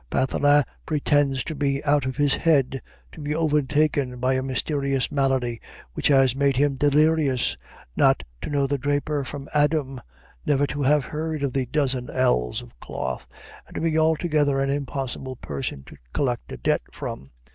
Pathelin pretends to be out of his head, to be overtaken by a mysterious malady which has made him delirious, not to know the draper from Adam, never to have heard of the dozen ells of cloth, and to be altogether an impossible person to collect a debt from.